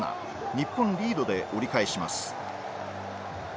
日本リードで折り返します